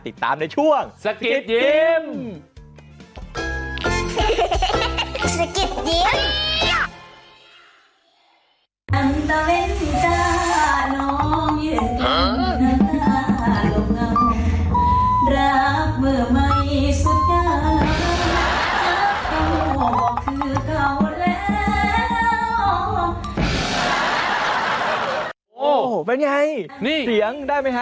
ติดตามในช่วงสกิดยิ้ม